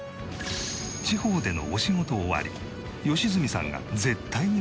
地方でのお仕事終わり良純さんが絶対に訪れる場所が。